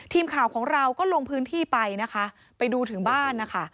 ทีมข่าวของเราก็ลงพื้นที่ไปนะคะไปดูถึงบ้านนะคะ